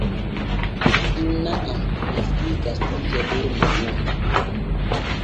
Inna am resi gasiije der manuwa.